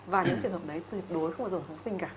và những trường hợp đấy tuyệt đối không có dùng tháng sinh cả